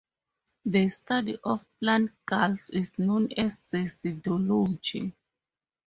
The study of plant galls is known as cecidology.